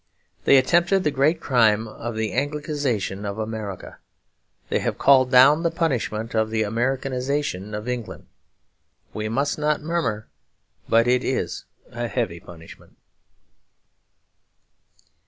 They attempted the great crime of the Anglicisation of America. They have called down the punishment of the Americanisation of England. We must not murmur; but it is a heavy punishment.